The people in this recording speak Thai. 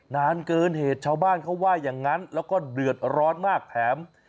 นานเกินเหตุชาวบ้านเขาว่าอย่างนั้นแล้วก็เดือดร้อนมากแถม